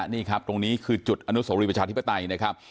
นี่ครับตรงนี้คือจุดอนุโสรีประชาธิปไตยนะครับ